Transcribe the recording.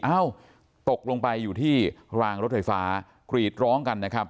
เอ้าตกลงไปอยู่ที่รางรถไฟฟ้ากรีดร้องกันนะครับ